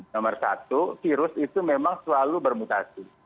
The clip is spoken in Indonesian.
nomor satu virus itu memang selalu bermutasi